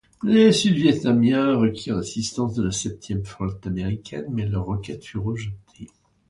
Les Sud-Vietnamiens requirent l'assistance de la septième flotte américaine, mais leur requête fut rejetée.